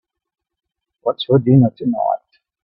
What's for dinner tonight?